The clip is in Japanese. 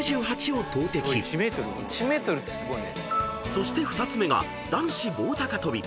［そして２つ目が男子棒高跳び］